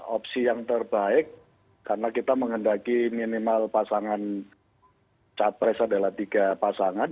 opsi yang terbaik karena kita menghendaki minimal pasangan capres adalah tiga pasangan